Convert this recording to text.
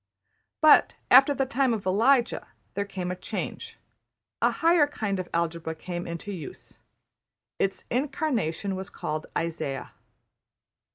But, after the time of Elijah, there came a change. A higher kind of algebra came into use. Its incarnation was called Isaiah.